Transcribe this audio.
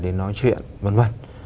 để nói chuyện vân vân